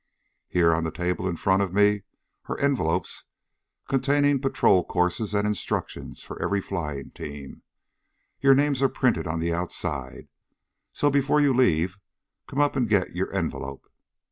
Here on the table in front of me are envelopes containing patrol courses and instructions for every flying team. Your names are printed on the outside, so before you leave come up and get your envelope.